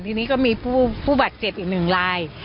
ทีนี้ก็มีผู้บาดเจ็บอีกหนึ่งราย